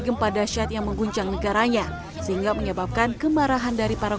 gempa dasyat yang mengguncang negaranya sehingga menyebabkan kemarahan dari para